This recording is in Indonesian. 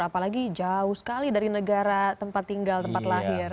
apalagi jauh sekali dari negara tempat tinggal tempat lahir